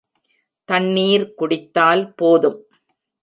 தண்ணீர் குடித்தால் போதும்.